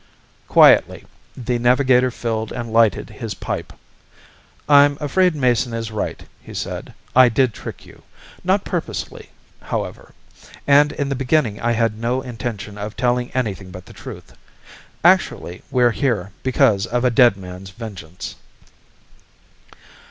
_" Quietly the Navigator filled and lighted his pipe. "I'm afraid Mason is right," he said. "I did trick you. Not purposely, however. And in the beginning I had no intention of telling anything but the truth. Actually we're here because of a dead man's vengeance."